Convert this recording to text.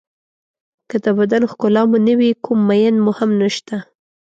که د بدن ښکلا مو نه وي کوم مېن مو هم نشته.